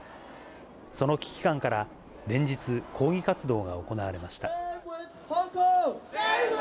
その危機感から、連日、抗議活動が行われました。